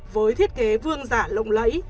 với thiết kế vương giả lộng lẫy